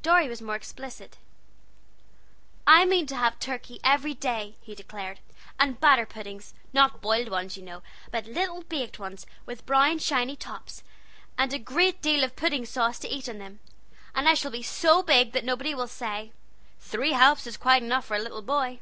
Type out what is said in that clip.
Dorry was more explicit. "I mean to have turkey every day," he declared, "and batter puddings; not boiled ones, you know, but little baked ones, with brown shiny tops, and a great deal of pudding sauce to eat on them. And I shall be so big then that nobody will say, 'Three helps is quite enough for a little boy.'"